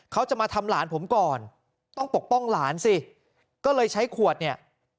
เขาจะมาทำหลานผมก่อนต้องปกป้องหลานสิก็เลยใช้ขวดเนี่ย